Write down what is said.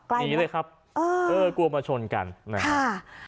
หนีเลยครับเออกลัวมาชนกันนะครับ